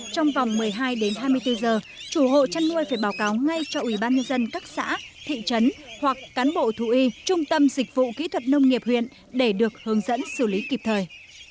trong vòng một mươi hai đến hai mươi bốn giờ chủ hộ chăn nuôi phải báo cáo ngay cho ủy ban nhân dân các xã thị trấn hoặc cán bộ thú y trung tâm dịch vụ kỹ thuật nông nghiệp huyện để được hướng dẫn xử lý kịp thời